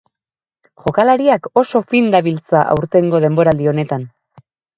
Jokalariak oso fin dabiltza haurtengo denboraldi honetan.